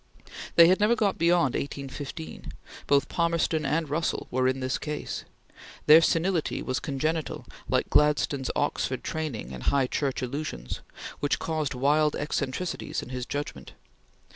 They had never got beyond 1815. Both Palmerston and Russell were in this case. Their senility was congenital, like Gladstone's Oxford training and High Church illusions, which caused wild eccentricities in his judgment.